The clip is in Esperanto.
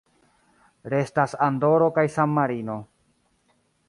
Restas Andoro kaj San-Marino.